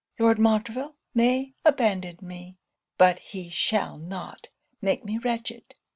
Lord Montreville may abandon me, but he shall not make me wretched.